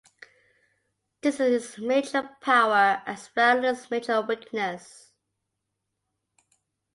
This is its major power as well as its major weakness.